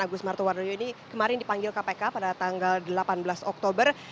agus martowardoyo ini kemarin dipanggil kpk pada tanggal delapan belas oktober